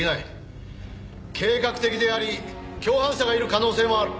計画的であり共犯者がいる可能性もある。